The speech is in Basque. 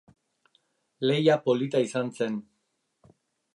Lehia polita izan zen.